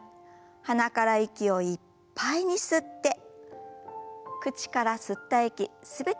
鼻から息をいっぱいに吸って口から吸った息全て吐き出しましょう。